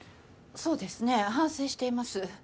そうですね反省しています。